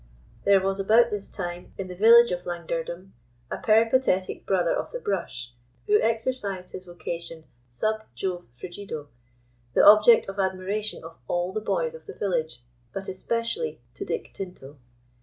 There was about this time, in the village of Langdirdum, a peripatetic brother of the brush, who exercised his vocation sub Jove frigido, the object of admiration of all the boys of the village, but especially to Dick Tinto.